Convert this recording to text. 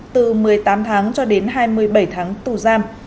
từ một mươi tám tháng cho đến hai mươi bảy tháng tù giam